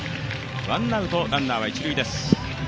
ワンアウトランナーは一塁です。